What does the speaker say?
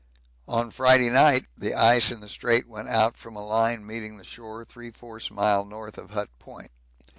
On Friday night the ice in the Strait went out from a line meeting the shore 3/4 mile north of Hut Point.